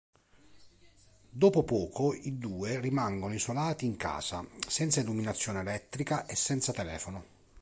Dopo poco i due rimangono isolati in casa, senza illuminazione elettrica e senza telefono.